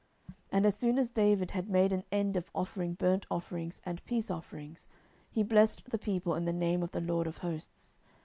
10:006:018 And as soon as David had made an end of offering burnt offerings and peace offerings, he blessed the people in the name of the LORD of hosts.